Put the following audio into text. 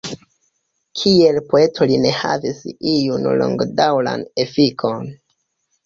Kiel poeto li ne havis iun longdaŭran efikon.